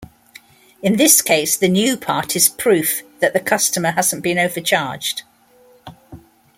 In this case the new part is "proof" that the customer hasn't been overcharged.